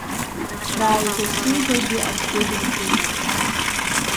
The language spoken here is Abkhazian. Рааигәа-сигәагьы аӡәгьы дынхомызт.